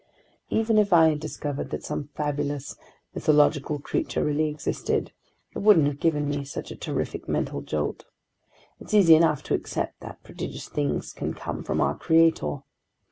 Even if I had discovered that some fabulous, mythological creature really existed, it wouldn't have given me such a terrific mental jolt. It's easy enough to accept that prodigious things can come from our Creator.